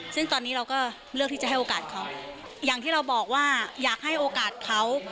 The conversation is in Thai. ซึ่งตอนนี้เราก็เลือกที่จะให้โอกาสเขาอย่างที่เราบอกว่าอยากให้โอกาสเขา